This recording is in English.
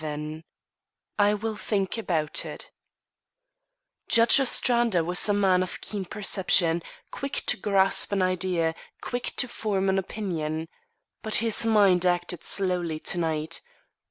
XI "I WILL THINK ABOUT IT" Judge Ostrander was a man of keen perception, quick to grasp an idea, quick to form an opinion. But his mind acted slowly to night.